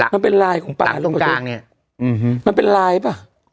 มันเป็นรายของป่าแหละค่ะตรงเงี้ยอื้อฮือมันเป็นรายป่ะ